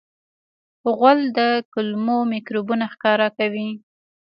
غول د کولمو میکروبونه ښکاره کوي.